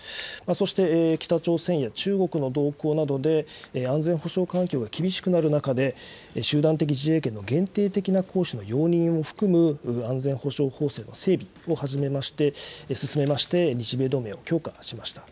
そして北朝鮮や中国の動向などで、安全保障環境が厳しくなる中で、集団的自衛権の限定的な行使の容認を含む安全保障法制の整備を始めまして、進めまして、日米同盟を強化しました。